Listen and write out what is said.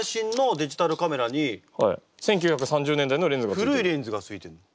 古いレンズがついてんの。